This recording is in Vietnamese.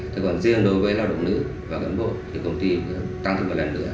thế còn riêng đối với lao động nữ và gần bộ công ty tăng thêm một lần nữa